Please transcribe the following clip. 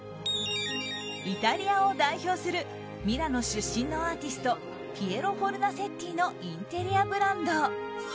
イタリアを代表するミラノ出身のアーティストピエロ・フォルナセッティのインテリアブランド。